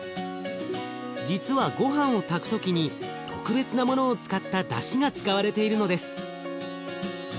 実はごはんを炊く時に特別なものを使っただしが使われているのです。